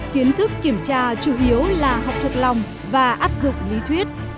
kiến thức kiểm tra chủ yếu là học thuộc lòng và áp dụng lý thuyết